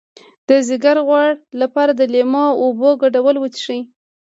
د ځیګر د غوړ لپاره د لیمو او اوبو ګډول وڅښئ